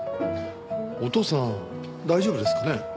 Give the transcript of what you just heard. お父さん大丈夫ですかね？